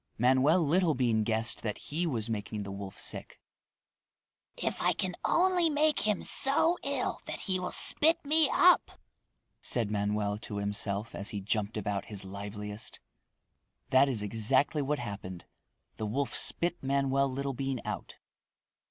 Manoel Littlebean guessed that he was making the wolf sick. "If I can only make him so ill that he will spit me up!" said Manoel to himself as he jumped about his liveliest. That is exactly what happened. The wolf spit Manoel Littlebean out.